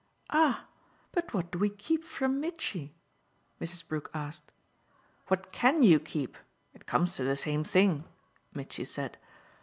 "Ah but what do we keep from Mitchy?" Mrs. Brook asked. "What CAN you keep? It comes to the same thing," Mitchy said.